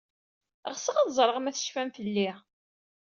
Ɣseɣ ad ẓreɣ ma tecfam fell-i.